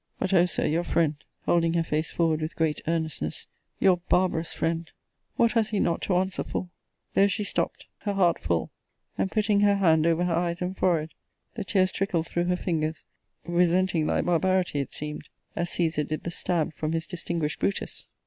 But Oh, Sir, your friend, holding her face forward with great earnestness, your barbarous friend, what has he not to answer for! There she stopt: her heart full; and putting her hand over her eyes and forehead, the tears tricked through her fingers: resenting thy barbarity, it seemed, as Caesar did the stab from his distinguished Brutus!